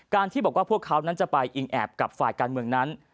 ที่บอกว่าพวกเขานั้นจะไปอิงแอบกับฝ่ายการเมืองนั้น